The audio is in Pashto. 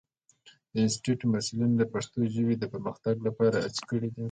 د انسټیټوت محصلینو د پښتو ژبې د پرمختګ لپاره هڅې کړې دي.